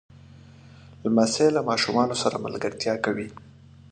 لمسی له ماشومانو سره ملګرتیا کوي.